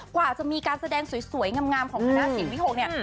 กว่าจะมีการแสดงสวยงามของคณะเสียงวิหกเนี่ย